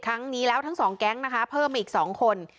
ครั้งนี้แล้วทั้งสองแก๊งเพิ่มอีกสองคน